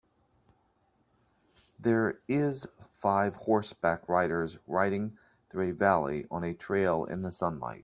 There is five horse back riders riding through a valley on a trail in the sunlight